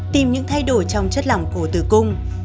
tìm những thay đổi trong chất lỏng cổ tử cung